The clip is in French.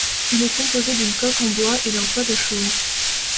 Il est composé d'une coque en bois et d'un toit de chaume.